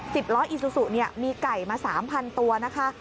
สิบล้ออิซูสุมีไก่มา๓๐๐๐ตัวนะคะ